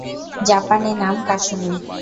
জাপানি নাম কাসুমি।